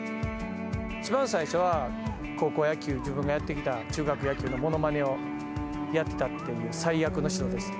一番最初は、高校野球、自分がやってきた、中学野球のものまねをやってたという、最悪の指導でした。